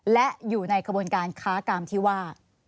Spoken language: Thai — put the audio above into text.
และอยู่ในกระบวนการค้ากรรมที่ว่า